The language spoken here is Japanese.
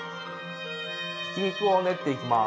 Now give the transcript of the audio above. ひき肉を練っていきます。